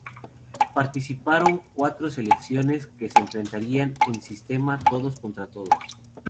Participaron cuatro selecciones que se enfrentarían en sistema todos contra todos.